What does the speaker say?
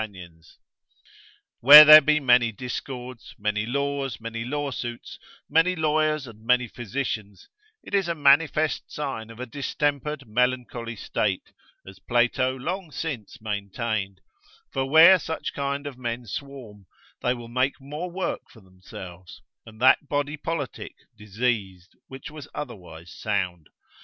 Where they be generally riotous and contentious, where there be many discords, many laws, many lawsuits, many lawyers and many physicians, it is a manifest sign of a distempered, melancholy state, as Plato long since maintained: for where such kind of men swarm, they will make more work for themselves, and that body politic diseased, which was otherwise sound.